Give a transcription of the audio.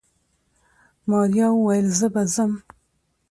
ماريا وويل زه به ځم.